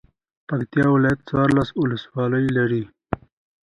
پکتيا ولايت څوارلس ولسوالۍ لری.